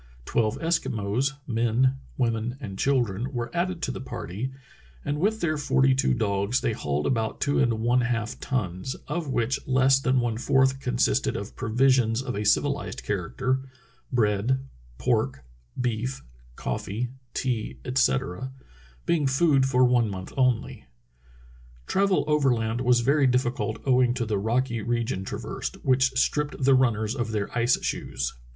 Twelve Eskimos — men, women, and children — were added to the party, and with their forty two dogs they hauled about two and one half tons, of which less than one fourth consisted of provisions of a civilized character — bread, pork, beef, coffee, tea, etc. — being food for one month only. Travel overland was very difficult owing to the rocky region traversed, which stripped the runners of their ice shoes.